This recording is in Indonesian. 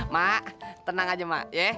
mak tenang aja mak